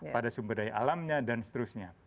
pada sumber daya alamnya dan seterusnya